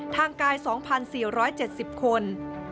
ทางกาย๒๔๗๐คน